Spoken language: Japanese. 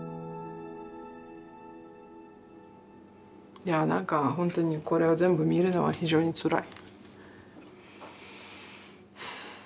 いやぁなんか本当にこれを全部見るのは非常につらい。